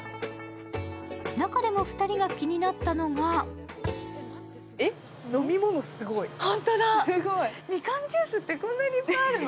中でも２人が気になったのがみかんジュースってこんなにいっぱいあるの？